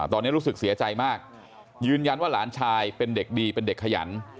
ตอนนี้รู้สึกเสียใจมากยืนยันว่าหลานชายเป็นเด็กดีเป็นเด็กขยัน